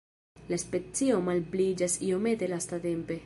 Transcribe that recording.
La specio malpliiĝas iomete lastatempe.